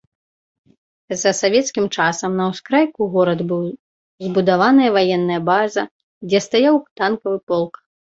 За савецкім часам на ўскрайку горад быў збудаваная ваенная база, дзе стаяў танкавы полк.